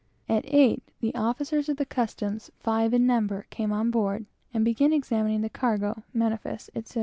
At eight, the officers of the customs, five in number, came on board, and began overhauling the cargo, manifest, etc.